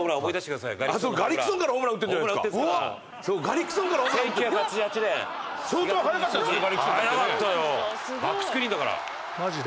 竹山：相当、速かったんですよね